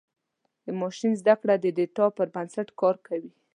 د ماشین زدهکړه د ډیټا پر بنسټ کار کوي.